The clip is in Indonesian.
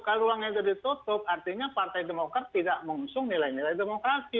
kalau ruangnya itu ditutup artinya partai demokrat tidak mengusung nilai nilai demokrasi